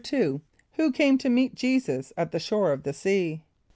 = Who came to meet J[=e]´[s+]us at the shore of the sea?